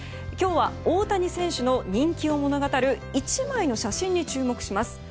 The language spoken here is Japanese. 今日は大谷選手の人気を物語る１枚の写真に注目します。